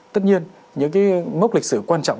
tất nhiên những cái mốc lịch sử quan trọng